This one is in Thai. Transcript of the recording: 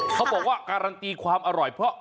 เขาบอกว่าการันตีความอร่อยเพราะ